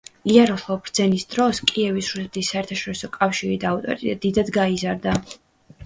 იაროსლავ ბრძენის დროს კიევის რუსეთის საერთაშორისო კავშირი და ავტორიტეტი დიდად გაიზარდა.